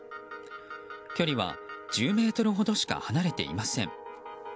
距離は１０ｍほどしか離れていません。